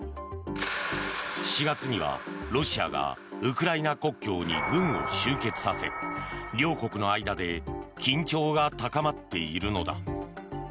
４月にはロシアがウクライナ国境に軍を集結させ両国の間で緊張が高まっているのだ。